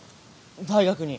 大学に。